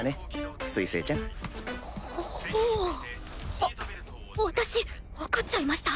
あっ私分かっちゃいました。